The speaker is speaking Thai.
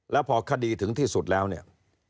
แล้วพอคดีถึงที่สุดแล้วเนี่ย